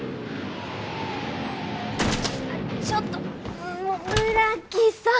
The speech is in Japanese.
ちょっともう村木さん！